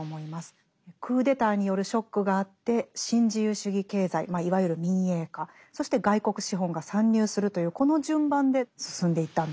クーデターによるショックがあって新自由主義経済いわゆる民営化そして外国資本が参入するというこの順番で進んでいったんですね。